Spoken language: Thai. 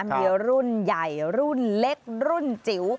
มีรุ่นใหญ่รุ่นเล็กรุ่นจิ๋ว